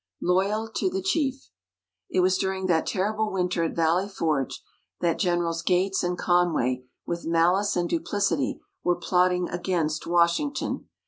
LOYAL TO THE CHIEF It was during that terrible Winter at Valley Forge, that Generals Gates and Conway "with malice and duplicity," were plotting against Washington.